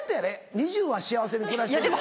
２０％は幸せに暮らしてるよ。